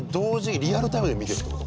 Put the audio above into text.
リアルタイムで見てるってこと？